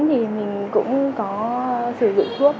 thì mình cũng có sử dụng thuốc